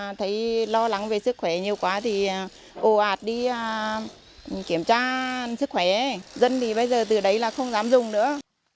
em thấy lo lắng về sức khỏe nhiều quá thì ồ ạt đi kiểm tra sức khỏe dân thì bây giờ từ đấy là không dám dùng nữa